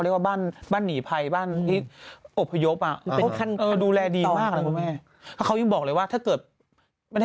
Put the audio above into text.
แต่เขาเตรียมพร้อมกันมากแล้วเขาพร้อมนะ